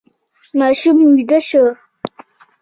ماشوم ویده شو.